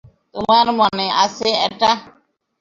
তোমার মনে আছে এটা?